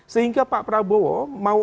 sehingga pak prabowo mau